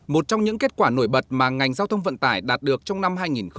một trong những kết quả nổi bật mà ngành giao thông vận tải đạt được trong năm hai nghìn một mươi chín